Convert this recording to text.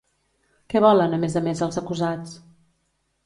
Què volen a més a més els acusats?